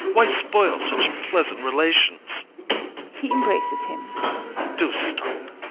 Why spoil such pleasant relations? [He embraces him] Do stop! VOITSKI.